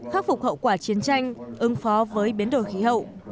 khắc phục hậu quả chiến tranh ứng phó với biến đổi khí hậu